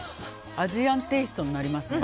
アジアンテイストになりますね。